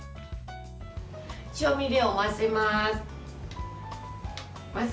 調味料を混ぜます。